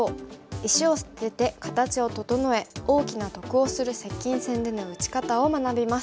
石を捨てて形を整え大きな得をする接近戦での打ち方を学びます。